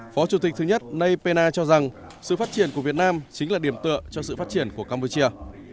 phó chủ tịch thứ nhất nay pena cho rằng sự phát triển của việt nam chính là điểm tựa cho sự phát triển của campuchia